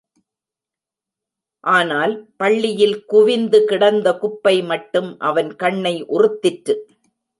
ஆனால் பள்ளியில் குவிந்து கிடந்த குப்பை மட்டும் அவன் கண்ணை உறுத்திற்று.